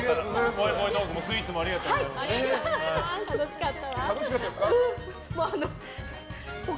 ぽいぽいトークもスイーツもありがとうございました。